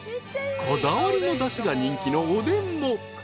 ［こだわりのだしが人気のおでんも］